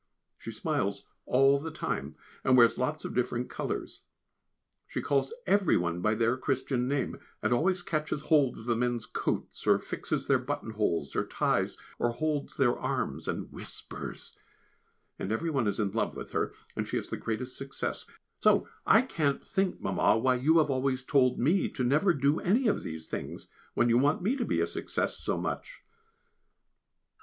She smiles all the time, and wears lots of different colours. She calls every one by their Christian name, and always catches hold of the men's coats, or fixes their buttonholes or ties, or holds their arms and whispers: and every one is in love with her, and she has the greatest success. So I can't think, Mamma, why you have always told me never to do any of these things, when you want me to be a success so much.